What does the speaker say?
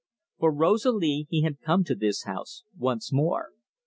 For Rosalie he had come to this house once more.